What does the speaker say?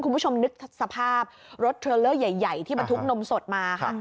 คุณผู้ชมนึกสภาพรถเทรลเลอร์ใหญ่ที่บรรทุกนมสดมาค่ะ